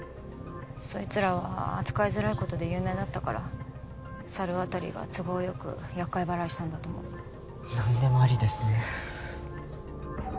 そいつらは扱いづらいことで有名だったから猿渡が都合よく厄介払いしたんだと思う何でもありですね